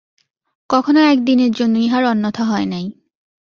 কখনো একদিনের জন্য ইহার অন্যথা হয় নাই।